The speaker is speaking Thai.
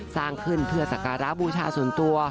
สร้างขึ้นเพื่อสักการะบูชาส่วนตัว